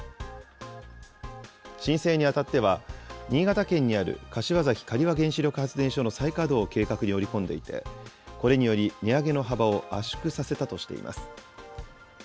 申請にあたっては、新潟県にある柏崎刈羽原子力発電所の再稼働を計画に織り込んでいて、これにより値上げの幅を圧縮させたとしています。